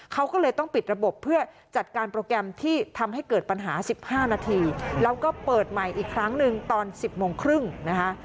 เขาก็เลยต้องปิดระบบเพื่อจัดการโปรแกรมที่ทำให้เกิดปัญหา๑๕นาทีแล้วก็เปิดใหม่อีกครั้งหนึ่งตอน๑๐โมงครึ่งนะคะ